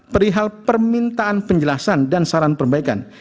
perihal permintaan penjelasan dan saran perbaikan